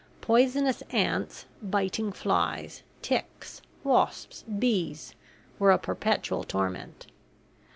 Poisonous ants, biting flies, ticks, wasps, bees were a perpetual torment.